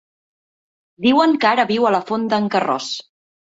Diuen que ara viu a la Font d'en Carròs.